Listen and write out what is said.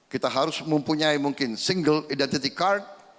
kita harus mempunyai mungkin single identity card